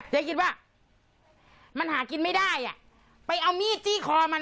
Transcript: ยายคิดว่ามันหากินไม่ได้อ่ะไปเอามีดจี้คอมัน